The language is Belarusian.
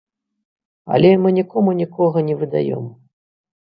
Але мы нікому нікога не выдаём.